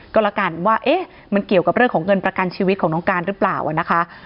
ก็แล้วกันว่าเอ๊ะมันเกี่ยวกับเรื่องของเงินประกันชีวิตของน้องการหรือเปล่านะคะ